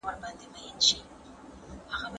يوازي نېک اعمال له انسان سره پاتي کيږي.